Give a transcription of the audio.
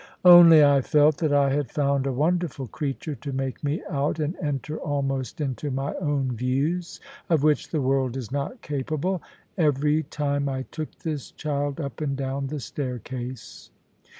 Only I felt that I had found a wonderful creature to make me out, and enter almost into my own views (of which the world is not capable) every time I took this child up and down the staircase.